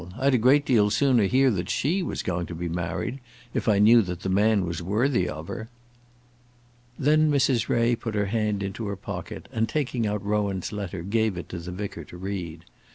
I'd a great deal sooner hear that she was going to be married, if I knew that the man was worthy of her." Then Mrs. Ray put her hand into her pocket, and taking out Rowan's letter, gave it to the vicar to read.